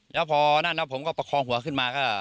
แล้วพอนั่นแล้วผมก็ประคองหัวขึ้นมาก็